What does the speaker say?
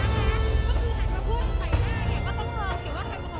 ป้าเหมือนคนไข่ไง